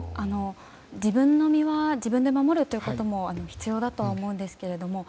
自分の身は自分で守るということは必要だと思うんですけど